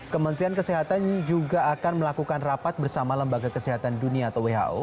kementerian kesehatan juga akan melakukan rapat bersama lembaga kesehatan dunia atau who